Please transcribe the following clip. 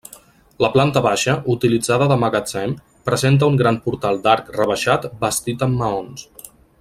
La planta baixa, utilitzada de magatzem, presenta un gran portal d'arc rebaixat bastit amb maons.